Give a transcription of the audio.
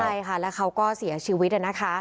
ใช่ค่ะแล้วเขาก็เสียชีวิตนะคะ